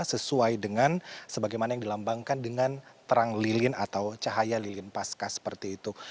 sesuai dengan sebagaimana yang dilambangkan dengan terang lilin atau cahaya lilin pasca seperti itu